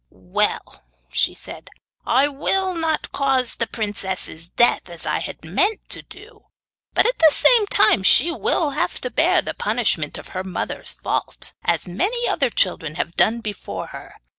'Well,' she said, 'I will not cause the princess's death, as I had meant to do, but at the same time she will have to bear the punishment of her mother's fault, as many other children have done before her.